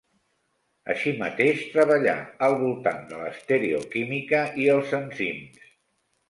Així mateix treballà al voltant de l'estereoquímica i els enzims.